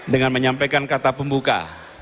dengan menyampaikan kata pembuka